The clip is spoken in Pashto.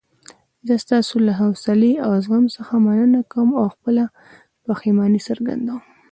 زه ستاسو له حوصلې او زغم څخه مننه کوم او خپله پښیماني څرګندوم.